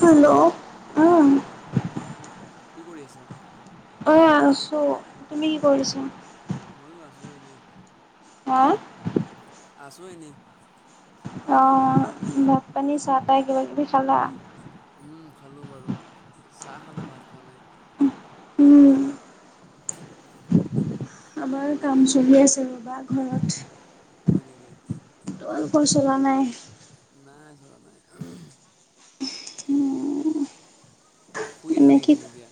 Hello উম hello অ কি কৰি আছা? অ আছো, তুমি কি কৰি আছা? ময়ো আছো এনেই। আহ [unintelligible] আহ ভাত পানী চাহ তাহ কিবা কিবি খালা? উম খালো বাৰু চাহ খালো ভাত খোৱা নাই। উম উম আমাৰ কাম চলি আছে ৰ'বা ঘৰত। হয় নেকি? তোমালোকৰ চলা নাই। নাই, চলা নাই শুই আছা এনে নেকি কি, তুমি এতিয়া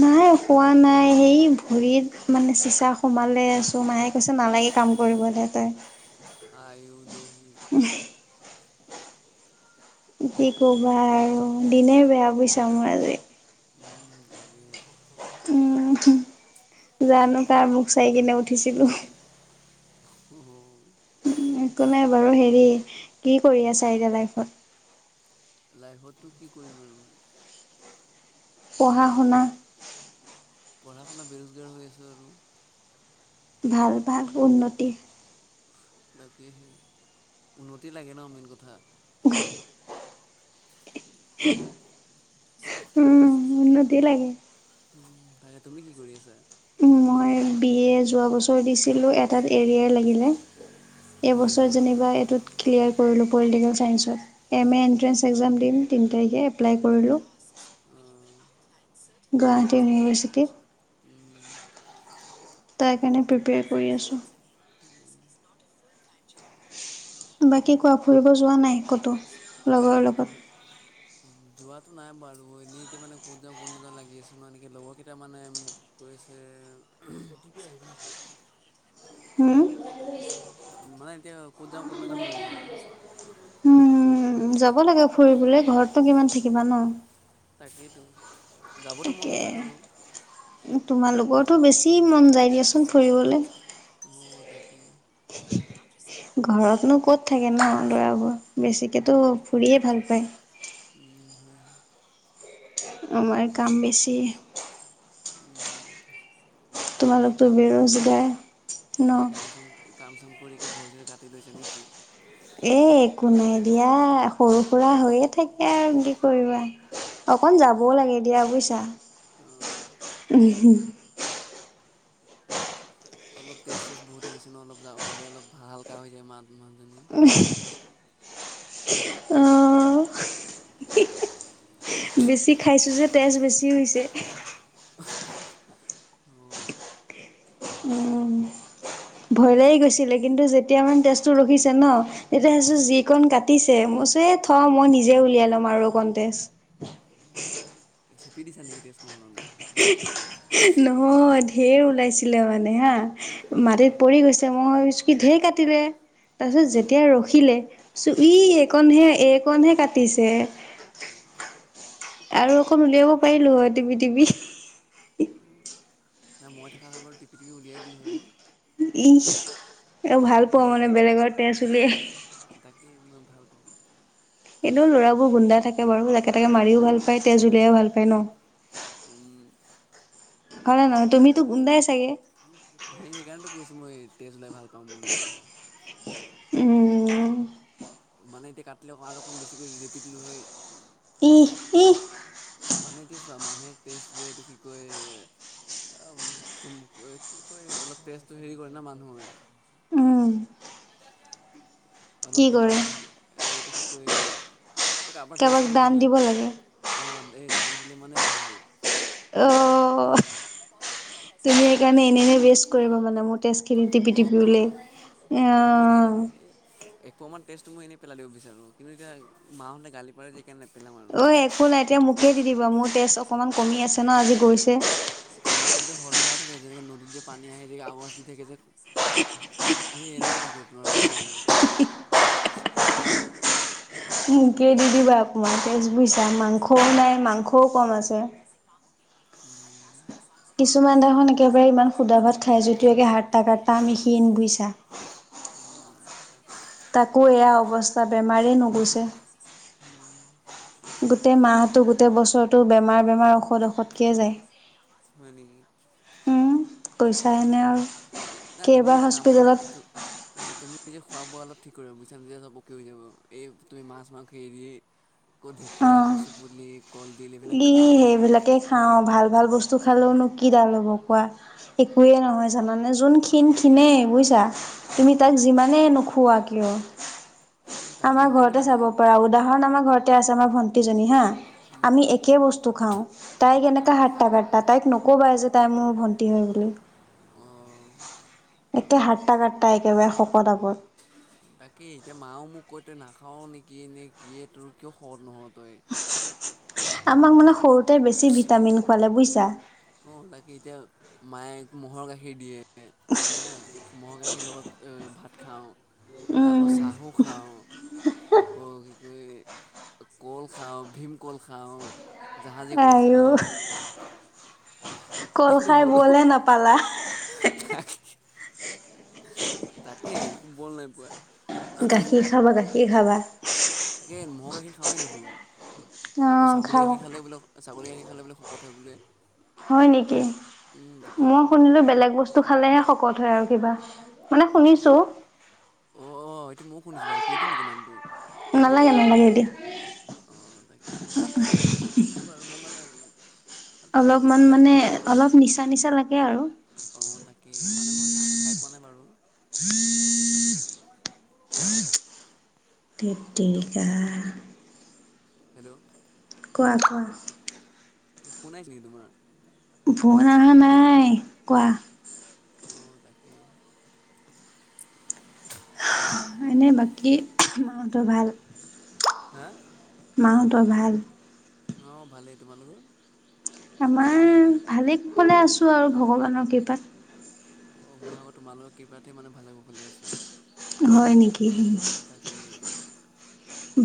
নাই খোৱাদ নাই সেই ভৰিত মানে চিচা সোমালে আছো মায়ে কৈছে নালাগে কাম কৰিব দে তই। আয়ো দেহী। কি কে ক'বা আৰু দিনে বেয়া বুইছা মোৰ আজি। উম তাকে উম জানো ভা কাৰ মুখ চাই কিনে উঠিছিলো। অ একো নাই বাৰু, হেৰি কি কৰি আছা এতিয়া লাইফত? লাইফতটো কি কৰিম আৰু। পঢ়া শুনা। পঢ়া শুনা বেৰোজগাৰ হৈ আছো আৰু। ভাল ভাল উন্নতি তাকে সে উন্নতি লাগে ন মেইন কথা [unintelligible] দিলে গে। উ তাকে, তুমি কি কৰি আছা? মই বি এ যোৱা বছৰ দিছিলো এটাত এৰিয়ে লাগিলে হয় এইবছৰ নেকি যেনিবা এইটোত ক্লিয়াৰ কৰিলো। পলিটিকেল ছাইসত এম এ এণ্ট্ৰেস এক্সাম দিম তিনি তাৰিখে এপ্লাই কৰিলোঁ। উম গুৱাহাটী ইউনিভাৰ্চিটিত উম তাৰ কাৰণে প্ৰিপেয়াৰ কৰি আছোঁ। [inaudible] বাকী কোৱা, ফুৰিব যোৱা নাই ক'তো, লগৰ লগত? যোৱাটো নাই বাৰু। অ'! এনেই এতিয়া মানে, ক'ত যাওঁ, ক'ত নাযাওঁ লাগি আছে। নহয় এনেকে, লগৰকেইটা মানে, মোক কৈছে। [unintelligible] আহিব নেকি? হুম, মানে, এতিয়া ক'ত যাওঁ, ক'ত নাযাওঁ হৈ আছে। [inaudible] উম, যাব লাগে ফুৰিবলে, ঘৰতনো কিমান থাকিবা ন'। তাকেতো। তাকে, তোমালোকৰতো বেছি মন যায়, দিয়াচোন ফুৰিবলে। অ'! তাকে। ঘৰতনো ক'ত থাকে ন ল'ৰাবোৰ বেছিকেতো ফুৰিয়ে ভাল পায়। উম, হয়। আমাৰ কাম বেছি। [unintelligible] উম। তোমালোকটো বেৰোজগাৰ ন। পুৰিকে ভৰি-চৰি কাটি লৈছে নেকি? এ, একো নাই দিয়া। সৰু খুৰা হৈয়ে থাকে আৰু কি কৰিবা অকণ যাবও লাগে দিয়া বুইছা। অঁ [unintelligible] অলপ তেজ-চেজ বহুত হৈ গৈছে ন'! অলপ গ'লে, অলপ হাল্কা হৈ যায়, ইমান। [unintelligible] অ'! [unintelligible] [unintelligible] বেছি খাইছোঁ যে, তেজ বেছি হৈছে। [unintelligible] উম তাকে ভয় লাগি গৈছিলে। কিন্তু, যেতিয়া মানে, তেজটো ৰখিছে ন' তেতিয়া, যিকণ কাটিছে মচি থওঁ মই নিজে উলিয়াই ল'ম আৰু কণ তেচ। চেপি দিছা নেকি তেজকণ উলাওতে নহয় ঢেৰ ওলাইছিলে মানে হা মাটিত অ', পৰি গৈছে মই ভাবিছোঁ ঢেৰ কাটিলে তাৰপিছত উম, যেতিয়া ৰখিলে চাইছোঁ ই অ', এইকণহে-এইকণহে কাটিছে। উম আৰু অকণ উলিয়াব পাৰিলোঁ হয় টিপি-টিপি অ', নাই মই থকা হয় বাৰু টিপি-টিপি উলিয়াই দিলোঁ হয়। ইস, এ উম, ভাল পোৱা এনে মানে বেলেগৰ তেজ উলিয়াই। এই মই ভাল পাওঁ। এনেও ল'ৰাবোৰ গুন্দা থাকে বাৰু জাকে তাকে মাৰিও ভাল পায় তেজ উলিওৱাই ভাল পায় ন'? উম। হয়নে নহয় তুমিতো গুন্দাই আছিলা সেই সেইকাৰণটো কৈছোঁ মই তেজ ওলাই ভাল পাওঁ বুলি। উম। মানে এতিয়া কাটিলেওঁ আৰু অকণমান বেছিকৈ ৰেপি দিলো হয় ইহ-ইহ। মানে এতিয়া চোৱা মানে মানুহে তেজ যে এইটো কি কয় অ' তম কি কয় অলপ তেজটো হেৰি কৰে ন' মানুহে উম কি অলপ কৰে কাৰোবাক এইটো কি কয় এই কাৰোবাৰ তেজ কাৰোবাক কমি দান থাকিলে, দিব লাগে অ' এই দান দিলে মানে ভাল। অ' তুমি সেইকাৰণে এনে-এনে ৱেষ্ট কৰিবা মানে মোৰ তেজ খিনি অ', টিপি-টিপি উলায়। [unintelligible] এক পোৱা মান তেজটো মই এনেই পেলাই দিব বিচাৰোঁ, কিন্তু এতিয়া মাহঁতে গালি পাৰে যে সেইকাৰণে নেপেলাওঁ আৰু। ঐ একো নাই এতিয়া মোকে দি দিবা মোৰ তেজ অকমান কমি আছে ন' আজি এ গৈছে। তোমাৰ গোটেই সল সলাই থাকে যেনেকৈ নদীত যে পানী আহে যে আৱাজ দি থাকে যে। এই এনেইকেই থাকে তোমাৰ মোকে দি দিবা অকণমান তেজ বুইছা মাংসও নাই মাংসও কম আছে। উ। কিছুমান দেখুন একেবাৰে ইমান সুদা ভাত খায় যদিও একে হাত্তা কাটা আমি ক্ষীণ বুজিছা। উম, তাকো এয়া অৱস্থা বেমাৰেই নুগুছেে। নানি [unintelligible] গোটেই মাহটো গোটেই বছৰটো বেমাৰ বেমাৰ ঔষধ ঔষধকেই যায়। শ [unintelligible] উম তাক কৈছাহেনে আৰু নাই তুমি কেইবাৰ এটা কাম কৰিবা হস্পিটেলত তুমি। এই যে খোৱা বোৱা অলপ ঠিক কৰিবা বুজিছানে তেতিয়া [unintelligible] হৈ যাব এই তুমি মাছ মাংস এৰি ক ঢেকীয়া অঁ কচুপুলি ই সেইবিলাকে খাও ভাল ভাল বস্তু খালেও নো কি কিডা ল'ব কোৱা একোৱে নহয় জানানে যোন ক্ষিণ ক্ষিণে বুইছা তুমি তাক অঁ যিমানেই নোখোৱা কিয় অঁ তাকে আমাৰ সেইকাৰণে ঘৰতে মানে চাব পাৰা উদাহৰণ আমাৰ ঘৰতে আছে আমাৰ ভন্টিজনী হা উম আমি এক বসু খাওঁ তাইক এনেকা সাটা কটা তাইক নকবা যে তাই মোৰ ভন্টি হয় বুলি। অঁ একে হাট্টা কাট্টি একেবাৰে শকত আগত বাকি এতিয়া মাও মোক কয় তই নাখাও নেকি এ নে কি তোৰ কিয় শকত নহ'ল আমাক মানে সৰুতে বেছি ভিটামিন খুৱালে বুজিছা। অ', তাকে এতিয়া মায়ে ম'হৰ গাখীৰ দিয়ে হ ম'হৰ গাখীৰ লগত ভাত খাওঁ তাৰপা চাহো খাওঁ। আকৌ কি ক কল খাওঁ, ভীম কল খাওঁ। জাহাজী কল আইও খাওঁ কল খাই বলে নাপালা। ত। তাকেই একো বল নাই পোৱা গাখীৰ খাবা গাখীৰ খাবা তাকে ম'হৰ গাখীৰ খাওঁৱেই দেখোন আকৌ অ' ছাগলী খাবা গাখীৰ খালে বোলে ছাগলী গাখীৰ খালে বুলি শকত হয় বোলে। হয় নেকি তাকেই মই শুনিলো বেলেগ বস্তু খালেহে ক'ত হয় আৰু কিবা মানে শুনিছো। অ অ এইটো মই শুনিছোঁ বাৰু কৈতো নেকি নামটো নালাগে নালাগে দিয়া। অ তাকে সেনেকেইটা শুনিছোঁ বাৰু মই মানে ট্ৰাই কৰি অলপমান চোৱা নাই মানে বাৰু অলপ নিচা নিচা লাগে আৰু অঁ তাকেই মানে মই খাই পোৱা নাই বাৰু ধেৎ হেল্ল' তেৰিকা। হেল্ল' কোৱা কোৱা কি ফোন আহছ নি তোমাৰ? ফোন অহা নাই, কোৱা। অঁ তাকে হয়নে বাকী মাহতৰ ভাল হে। মাহঁতৰ ভাল। অ ভালেই তোমালোকৰ আমাৰ ভালে কুশলে আছো আৰু ভগৱানৰ কৃপাত। অ', মই আকৌ তোমালোকৰ কৃপাতে মানে ভালে কুশলে আছো। হয় নেকি তাকে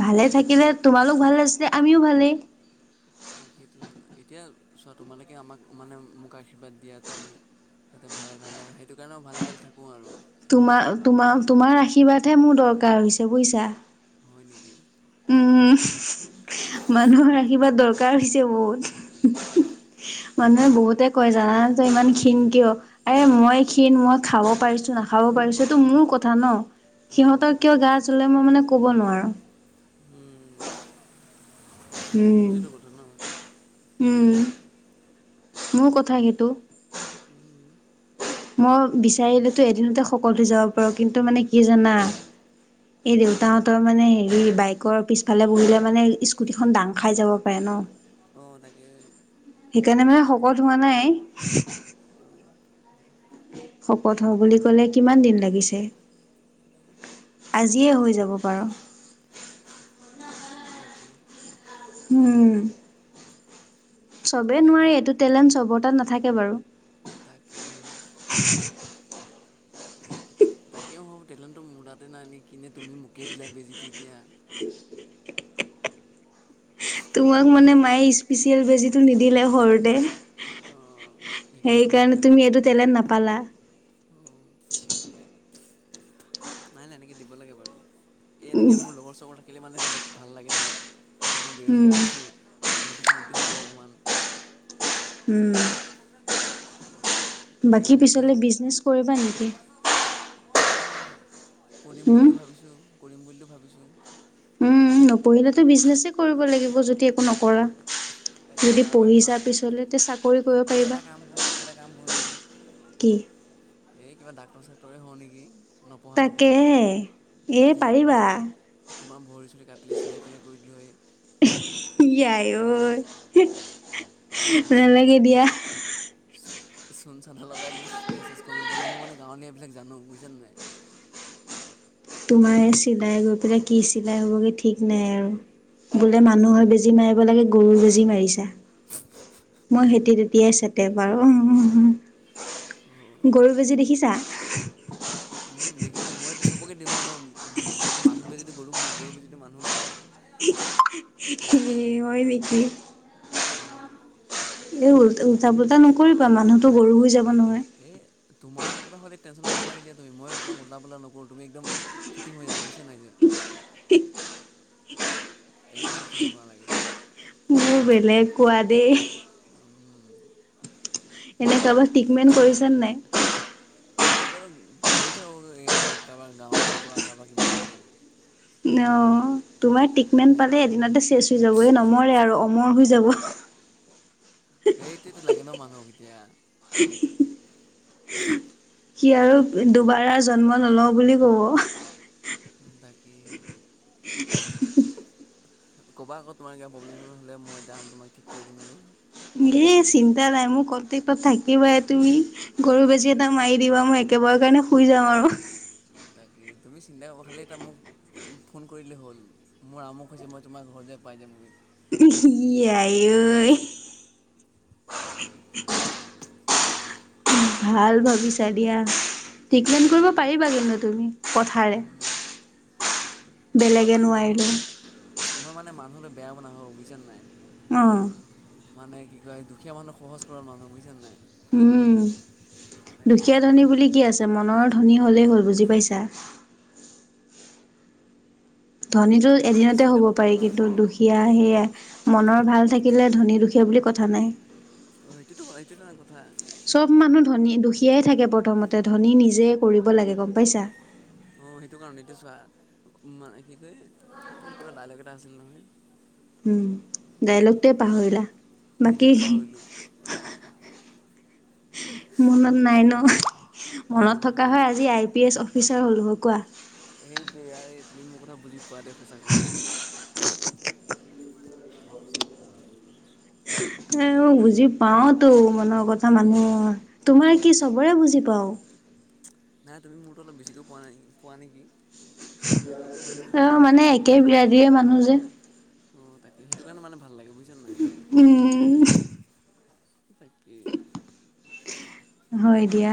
ভালে থাকিলে তোমালোক ভালে আছিলে আমিও ভালেই তাকেটো, এতিয়া চোৱা তোমালোকে আমাক মানে মোক আশীৰ্বাদ দিয়া তুমি। [inaudible] তাতে ভালে ভাল থাকা সেইটো কাৰণেও ভালে ভাল থাকো আৰু তোমাৰ, তোমাৰ, তোমাৰ আশীৰ্বাদহে মোৰ দৰকাৰ হৈছে বুজিছা। হয় নেকি? উম' মানুহৰ আশীৰ্বাদ দৰকাৰ হৈছে বহুত। [unintelligible] মানুহে বহুতে কয় জানান, তই ইমান ক্ষীণ কিয়? এ মই ক্ষীণ মই, খাব পাৰিছো নাখাবও পাৰিছো, এইটো মোৰ কথা ন। অ সিহঁতৰ কিয় গা তাকেতো জলে মই মানে কব নোৱাৰো। [unintelligible] উম সেইটোৱেই কথা ন। [unintelligible] উম' মোৰ তাকেই কথা সেইটো। [unintelligible] উম মই বিচাৰিলেতো এদিনতে সকলো যাওঁ। কিন্তু মানে কি জানা। এই কি দেউতাহঁতৰ মানে হেৰি। কি বাইকৰ পিছফালে বহিলে মানে স্কুটিখন দাং খাই যাব পাৰে ন অ তাকে সেইকাৰণে মানে শকত হোৱা নাই। [unintelligible] শকত হও বুলি কলে কিমান দিন লাগিছে আজিয়ে হৈ যাব পাৰ। [unintelligible] তাকে। উম চবে তাকে আকৌ নোৱাৰে এইটো টেলেণ্ট চবৰ তাত নাথাকে বাৰু [unintelligible] অহ' তাকে হে। টেলেনটো মোৰ তাতে নাই নেকি। নে তুমি মোকে দিলা বেজীটো এতিয়া। [unintelligible] তোমাক মানে, মায়ে স্পেচিয়েল বেজিটো নিদিলে সৰুতে। অ [unintelligible] সেইকাৰণে তুমি এইটো টেলেণ্ট নাপালা। অ [unintelligible] নাই, নাই এনেকে দিব লাগে বাৰু। এই এনেকে মোৰ লগৰ চগৰ। শিকিলে মানে অলপ ভাল লাগে নহয়, এতিয়া মই উম বেৰোজগাৰ আছো। উন্নতি চন্নতি হ'ব অকণমান। [unintelligible] উম'। [unintelligible] [unintelligible] বাকী উন্নতি হ'ল পিছলৈ বিজনেছ কৰিবা নেকি? [unintelligible] তাকেই কৰিম উম বুলিও ভাবিছোঁ, কৰিম বুলি ভাবিছোঁ। উম' নপঢ়িলেতো বিজনেছে কৰিব লাগিব যদি একো নকৰা। [unintelligible] তাকে যদি তাৰ বাহিৰে পঢ়িছা, নহয় পিছলে তে চাকৰি কৰিব এই পাৰিবা। এটা কাম কৰোঁ নেকি এটা কাম [unintelligible] কৰোঁ নেকি কি এই কিবা ডাক্তৰ চাক্তৰে হওঁ নেকি তাকে হে। যেনেকে তোমাৰ, তোমাৰ ভৰি চৰি কাটিলৈ চিলাই লাই কৰি দিলো হয়। ই আই ঐ আকৌ কি কয় নেলাগে দিয়া। [unintelligible] চূণ চানা লগাই দিলে তেজ সেজ কমিব ন মই মানে গাঁৱলীয়া এইাবিলাক জানো বুজিছানে নাই। [unintelligible] তোমাৰ চিলাই গৈ পেলাই কি চিলাই হ'বগে ঠিক নাই আৰু। বোলে মানুহৰ বেজি মাৰিব লাগে গৰুৰ বেজি মাৰিছা। মই খেতি তেতিয়াই চাতে বাৰু। অঁ [unintelligible] গৰু বেজি দেখিছা? উম দেখিছোঁ মই চবকে দিওঁ না মই মানে মানুহ বেজীটো গৰুক দিওঁ গৰু বেজিটো মানুহক দিওঁ। [unintelligible] এ, হয় নেকি? [unintelligible] অ এ উল-উলটা পোলটা নকৰিবা, মানুহতটো গৰু হৈ যাব। নহয়। এ তোমাৰ। কিবা হ'লে টেনচন ল'ব নালাগে দিয়া তুমি। মই তোমাক উলতা পোলতা নকৰোঁ, তুমি একদম ফিটিং হৈ যাবা বুজিছা নাই যে। একদম ঠু মন লাগে। বেলেগ কোৱা দেই। উম। এনে কাৰোবাক ট্ৰিকমেন কৰিছে নে নাই। এনেই বাৰু গৈ থাকো এ কাৰোবাৰ গাঁৱত কিবা কাৰবাৰ কিবা হলে। অঁ তোমাৰ ট্ৰিটমেণ্ট মানে পালে এদিনাতে চেচ হৈ যাব নমৰে আৰু অমৰ হৈ। যাব। এইটোতো লাগে ন মানুহ এতিয়া। [unintelligible] সি আৰু দুবাৰা জন্ম নলও বুলি কব। বাকী ক'বা আকৌ তোমাৰ কিবা প্ৰব্লেম চব্লেম হ'লে মই যাম তোমাক ঠিক কৰি দিমগৈ। ইয়ে চিন্তা নাই মোৰ কতে [unintelligible] থাকিবাই তুমি গৰু বেজি এটা উম। মাৰি দিবা মই একেবাৰৰ কাৰণে শুই যাওঁ আৰু বাকী তুমি চিন্তা [unintelligible] খালি মোক ফোন কৰিদিলেই হ'ল মোৰ আমোক হৈছে মই তোমাৰ ঘৰ যে পাইজামগে। ই আই ঐ অঁ ভাল ভাবিছা দিয়া। ট্ৰীকমেণ্ট কৰিব তাকে পাৰিবা জানো তুমি কথাৰে? মই বেলেগে মানে নোৱাৰিলেও। মানুহ হলে বেয়া বনাঙ বুজিছা নাই অ', মানে কি কয় দুখীয়া মানুহ সহজ সৰল মানুহ বুজিছা নে নাই? উম। তাকে দুখীয়া ধনী বুলি কি আছে মনৰ ধনী হলেই হল বুজি পাইছা। ধনীটো এদিনতে চিন্তা হ'ব পাৰি নকৰোঁ না কিন্তু মই দুখীয়া সেয়া মনৰ ভাল থাকিলে ধনী দুখীয়া বুলি কথা নাই। অ, সেইটোতো হয় এইটো এটা চব মানুহ ধনী দুখীয়াই থাকে প্ৰথমতে ধনী নিজে কৰিব লাগে গম পাইছা। অ সেইটো কাৰণ এটো চোৱা মানে কি কয় এ কিবা দাইলক এটা আছিল নহয়? উম, ডাইলগটোৱে পাহৰিলা বাকী সেইটোতো পাহৰিলোঁ মনত নাই ন' মনত মনত থকা নাই হয় মানে আজি আই পি এছ অফিচ [unintelligible] কোৱা? সেইটোৱে আৰে তুমি মোৰ কথা বুজি পোৱা দে সঁচাকৈয়ে। এ বুজি পাওতো মনৰ কথা মানুহ তোমাৰ কি চবৰে বুজি পাও। নাই তুমি মোৰটো অলপ বেছিকৈ পোৱা নাই পোৱা নেকি? অ, মানে একে বিৰাদিয়ে মানুহ যে। অ তাকে সেইটো কাৰণে মানে ভাল লাগে বুজি উম তাকে। হয় দিয়া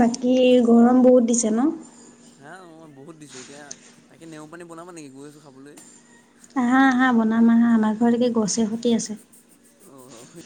বাকী গৰম বহুত দিছে ন? হা অ, বহুত দিছে এতিয়া তাকে নেমু পানী বনাব নেকি গৈ আছোঁ খাবলৈ? আহা -আহা বনাম আহা আমাৰ ঘৰ লেইকে গছে খতি আছে। [unintelligible]